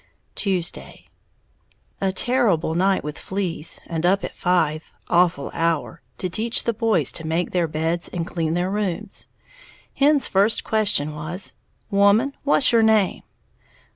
Tuesday. A terrible night with fleas, and up at five (awful hour!) to teach the boys to make their beds and clean their rooms. Hen's first question was, "Woman, what's your name?"